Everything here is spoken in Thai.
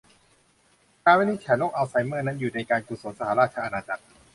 การวิจัยโรคอัลไซเมอร์นั้นอยู่ในการกุศลสหราชอาณาจักร